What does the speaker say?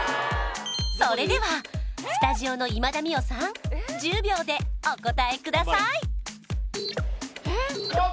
それではスタジオの今田美桜さん１０秒でお答えくださいえっ？